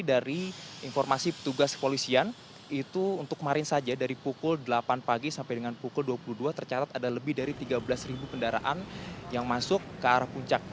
dari informasi petugas kepolisian itu untuk kemarin saja dari pukul delapan pagi sampai dengan pukul dua puluh dua tercatat ada lebih dari tiga belas kendaraan yang masuk ke arah puncak